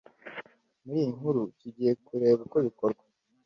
Muri iyi nkuru tugiye kureba uko bikorwa